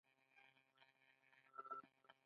هلکه د سهار راهیسي چیري وې؟